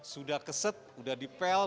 sudah keset sudah dipel